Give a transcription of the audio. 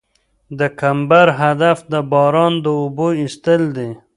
د کمبر هدف د باران د اوبو ایستل دي